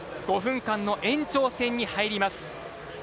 ５分間の延長戦に入ります。